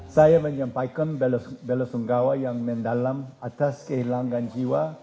saya menyampaikan belasunggawa yang mendalam atas kehilangan jiwa